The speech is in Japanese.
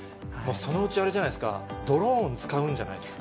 そのうち、あれじゃないですか、ドローン使うんじゃないですか？